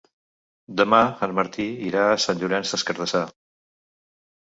Demà en Martí irà a Sant Llorenç des Cardassar.